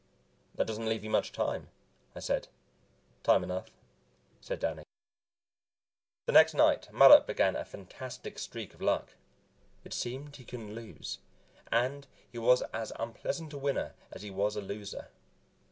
"That doesn't leave you much time," I said. "Time enough," said Danny. The next night Mattup began a fantastic streak of luck. It seemed he couldn't lose, and he was as unpleasant a winner as he was a loser.